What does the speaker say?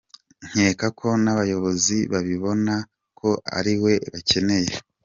Nkeka ko n’abayobozi babibona ko ariwe bakeneye.